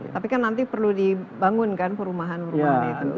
tapi kan nanti perlu dibangunkan perumahan perumahan itu